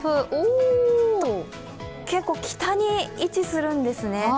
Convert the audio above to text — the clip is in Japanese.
結構、北に位置するんですね。